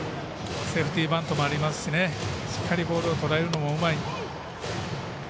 セーフティーバントもありますししっかりボールをとらえるのもうまい。